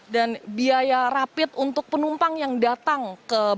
dan biaya rapi untuk penumpang yang datang ke bandara suta kamis